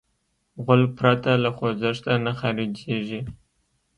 غول پرته له خوځښته نه خارجېږي.